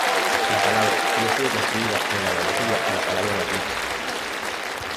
La palabra habría sido construida en analogía a la palabra machismo.